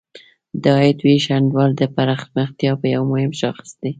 د عاید ویش انډول د پرمختیا یو مهم شاخص دی.